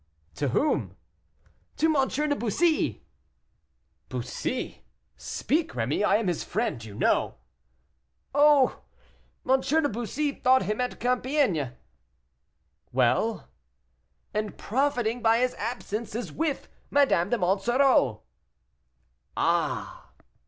"To whom?" "To M. de Bussy." "Bussy! speak, Rémy; I am his friend, you know." "Oh! M. de Bussy thought him at Compiègne." "Well?" "And, profiting by his absence, is with Madame de Monsoreau." "Ah!"